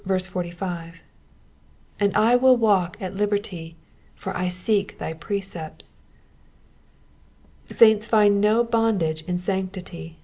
*^And I mU waXk at liberty: for I seek thy precepts^ Saints find no bondage in sanctity.